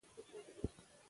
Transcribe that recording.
دا ټکنالوژي بدلېږي.